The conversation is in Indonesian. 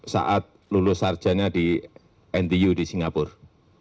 saat lulus sarjana di ntu di singapura